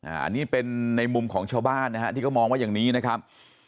อันนี้เป็นในมุมของชาวบ้านนะฮะที่เขามองว่าอย่างนี้นะครับ